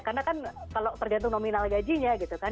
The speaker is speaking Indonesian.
karena kan kalau tergantung nominal gajinya gitu kan